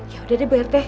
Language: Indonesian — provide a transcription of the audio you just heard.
yaudah deh bu rt